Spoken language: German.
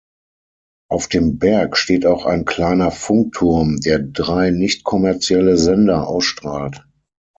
Auf dem Berg steht auch ein kleiner Funkturm, der drei nichtkommerzielle Sender ausstrahlt.